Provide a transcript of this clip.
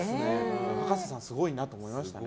葉加瀬さん、すごいなと思いましたね。